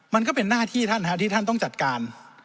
มันก็เป็นหน้าที่ท่านที่ท่านต้องจัดการ